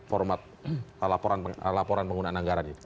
format laporan penggunaan anggaran ini